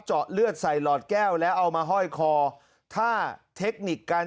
เจาะเลือดใส่หลอดแก้วแล้วเอามาห้อยคอถ้าเทคนิคการ